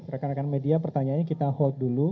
rekan rekan media pertanyaannya kita hold dulu